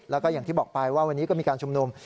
แล้วก็อย่างที่บอกไปว่าวันนี้ก็มีการชุมนุม